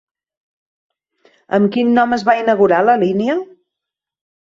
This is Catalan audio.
Amb quin nom es va inaugurar la línia?